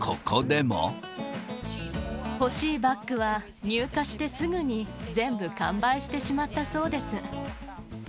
欲しいバッグは、入荷してすぐに、全部完売してしまったそうです。